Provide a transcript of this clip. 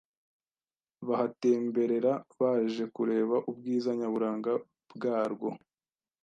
bahatemberera baje kureba ubwiza nyaburanga bwarwo,